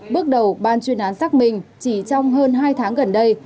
bước đầu ban chuyên án xác minh chỉ trong hơn hai tháng gần đây